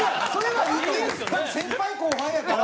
だって先輩後輩やから。